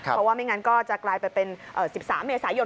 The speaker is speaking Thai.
เพราะว่าไม่งั้นก็จะกลายไปเป็น๑๓เมษายน